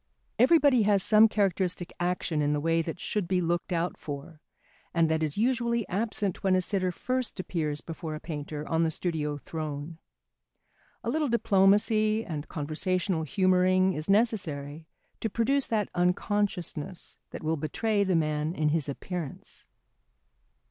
Everybody has some characteristic action in the way that should be looked out for and that is usually absent when a sitter first appears before a painter on the studio throne. A little diplomacy and conversational humouring is necessary to produce that unconsciousness that will betray the man in his appearance.